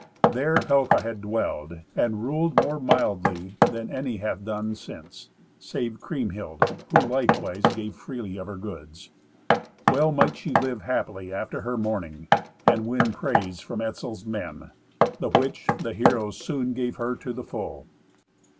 There Helca had dwelled and ruled more mildly than any hath done since, save Kriemhild, who likewise gave freely of her goods. Well might she live happily after her mourning, and win praise from Etzel's men, the which the heroes soon gave her to the full.